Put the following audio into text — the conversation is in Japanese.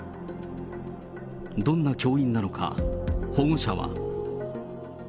どんな教員なのか、保護者は。